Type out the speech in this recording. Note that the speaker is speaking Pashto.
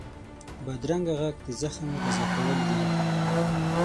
بدرنګه غږ د زخم تازه کول وي